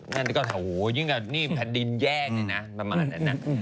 นั่นก็โอ้โหยิ่งกว่านี่แผ่นดินแยกเลยนะประมาณนั้น